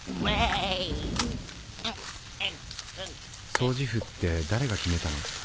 掃除婦って誰が決めたの？